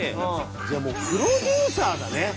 じゃあもうプロデューサーだね。